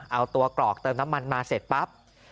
เอาตัวกรอกเติมน้ำมันมาเสร็จปั๊บ